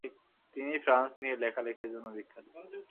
তিনি ফ্রান্স নিয়ে লেখালিখির জন্য বিখ্যাত।